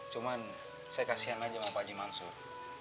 cuman saya kasihan aja sama pak jimansur